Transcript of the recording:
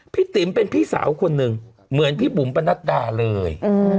ติ๋มเป็นพี่สาวคนหนึ่งเหมือนพี่บุ๋มประนัดดาเลย